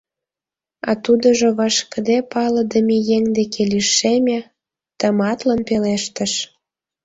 А тудыжо вашкыде палыдыме еҥ деке лишеме, тыматлын пелештыш: